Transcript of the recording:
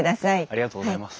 ありがとうございます。